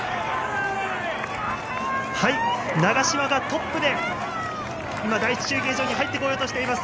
長嶋がトップで第１中継所に入ってこようとしています。